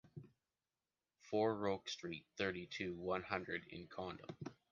four Roques street, thirty-two, one hundred in Condom